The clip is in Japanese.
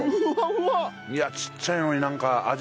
いやちっちゃいのになんか味